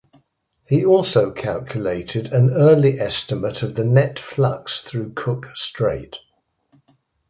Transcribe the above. He also calculated an early estimate of the net flux through Cook Strait.